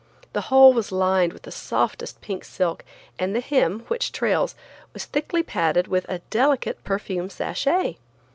The whole was lined with the softest pink silk, and the hem, which trails, was thickly padded with a delicate perfume sachet.